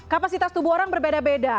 kapasitas tubuh orang berbeda beda